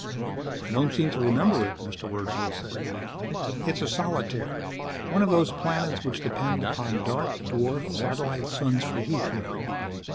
"I don't seem to remember it," Mr. Wordsley said. "It's a solitaire. One of those planets which depend upon dark, dwarf, satellite suns for heat, you know.